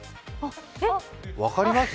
分かります？